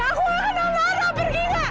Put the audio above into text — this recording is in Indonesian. aku akan narah pergi